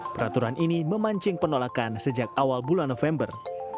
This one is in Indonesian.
peraturan ini memancing penolakan sejak awal bulan november